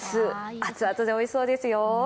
熱々でおいしそうですよ。